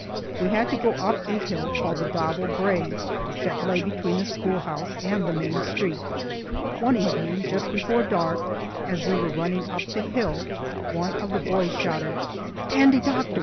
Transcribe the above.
We had to go up a hill called the Davel Brae that lay between the schoolhouse and the main street. One evening just before dark, as we were running up the hill, one of the boys shouted, "A Dandy Doctor!